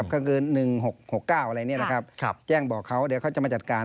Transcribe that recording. ก็คือ๑๖๖๙อะไรแจ้งบอกเขาเดี๋ยวเขาจะมาจัดการ